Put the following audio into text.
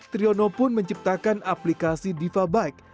triono pun menciptakan aplikasi diva bike